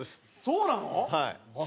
そうなの？